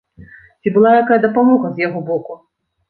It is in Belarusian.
Ці была якая дапамога з яго боку?